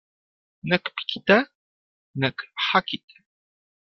Nek pikite, nek hakite.